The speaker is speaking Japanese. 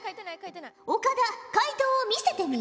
岡田解答を見せてみよ。